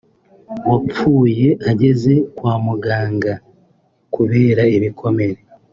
wapfuye ageze kwa muganga kubera ibikomere